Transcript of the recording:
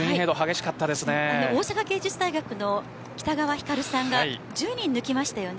大阪芸術大学の北川さんが１０人抜きましたね。